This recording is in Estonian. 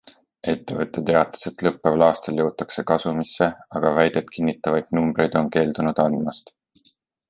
Ettevõte teatas, et lõppeval aastal jõutakse kasumisse, aga väidet kinnitavaid numbreid on keeldunud andmast.